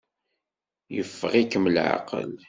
Yeffeɣ-ikem leɛqel.